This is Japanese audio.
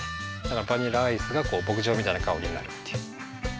バニラアイスが牧場みたいな香りになるっていう。